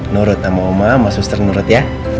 nurut sama mama sama suster nurut ya